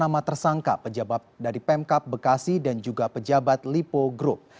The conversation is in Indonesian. nama tersangka pejabat dari pemkap bekasi dan juga pejabat lipo group